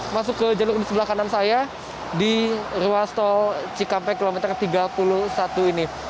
masuk ke jalur di sebelah kanan saya di ruas tol cikampek kilometer tiga puluh satu ini